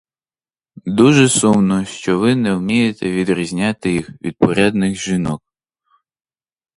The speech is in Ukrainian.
Дуже сумно, що ви не вмієте відрізняти їх від порядних жінок.